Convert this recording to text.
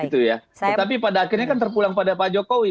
tetapi pada akhirnya kan terpulang pada pak jokowi